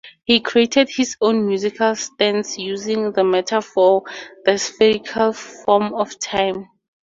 He created his own musical stance using the metaphor "the spherical form of time".